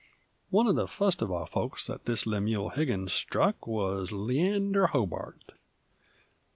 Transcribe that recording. One of the first uv our folks that this Lemuel Higgins struck wuz Leander Hobart.